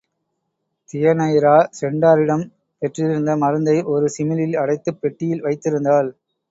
தியனைரா சென்டாரிடம் பெற்றிருந்த மருந்தை ஒரு சிமிழில் அடைத்துப் பெட்டியில் வைத்திருந்தாள்.